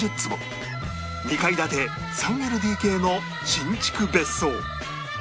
２階建て ３ＬＤＫ の新築別荘